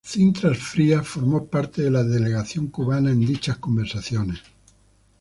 Cintra Frías formó parte de la delegación cubana en dichas conversaciones.